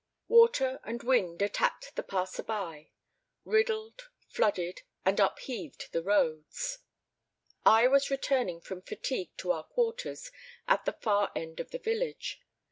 Water and wind attacked the passers by; riddled, flooded, and upheaved the roads. I was returning from fatigue to our quarters at the far end of the village.